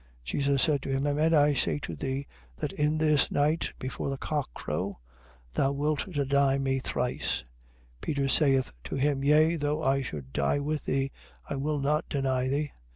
26:34. Jesus said to him: Amen I say to thee that in this night before the cock crow, thou wilt deny me thrice. 26:35. Peter saith to him: Yea, though I should die with thee, I will not deny thee.